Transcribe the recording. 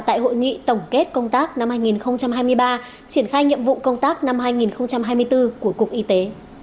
tại hội nghị tổng kết công tác năm hai nghìn hai mươi ba triển khai nhiệm vụ công tác năm hai nghìn hai mươi bốn của cục y tế